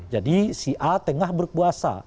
jadi si a tengah berkuasa